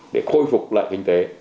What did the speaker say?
để khôi phục lại kinh tế